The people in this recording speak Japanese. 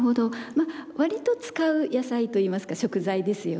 まあ割と使う野菜といいますか食材ですよね。